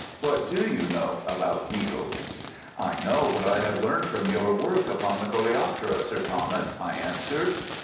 "What do you know about beetles?" "I know what I have learned from your work upon the coleoptera, Sir Thomas," I answered.